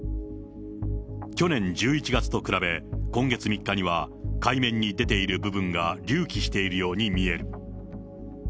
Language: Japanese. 去年１１月と比べ、今月３日には海面に出ている部分が、隆起しているように見える。